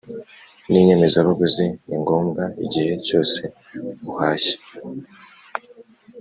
n inyemezabuguzi ningombwa igihe cyose uhashye